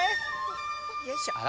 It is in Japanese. よいしょ。